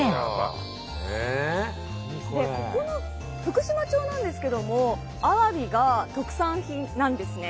ここの福島町なんですけどもアワビが特産品なんですね。